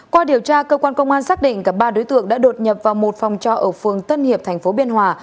qua điều tra cơ quan công an xác định cả ba đối tượng đã đột nhập vào một phòng trọ ở phường tân hiệp tp biên hòa